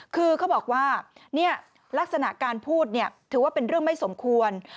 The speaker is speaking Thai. คือเขาบอกว่าลักษณะการพูดถือว่าเป็นเรื่องไม่สมควร